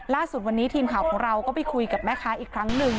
ล่าสุดวันนี้ทีมข่าวของเราก็ไปคุยกับแม่ค้าอีกครั้งหนึ่ง